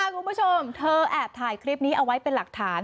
คุณผู้ชมเธอแอบถ่ายคลิปนี้เอาไว้เป็นหลักฐาน